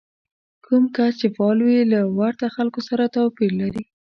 کوم کس چې فعال وي له ورته خلکو سره توپير لري.